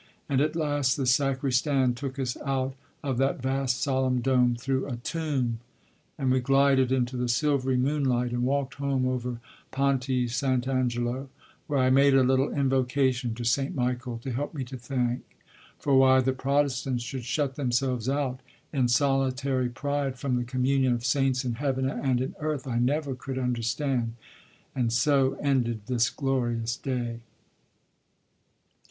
And at last the Sacristan took us out of that vast solemn dome through a tomb! and we glided into the silvery moonlight, and walked home over Ponte St. Angelo, where I made a little invocation to St. Michael to help me to thank; for why the Protestants should shut themselves out, in solitary pride, from the Communion of Saints in heaven and in earth, I never could understand. And so ended this glorious day."